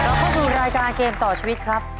เข้าสู่รายการเกมต่อชีวิตครับ